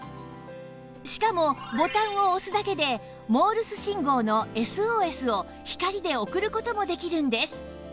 しかもボタンを押すだけでモールス信号の ＳＯＳ を光で送る事もできるんです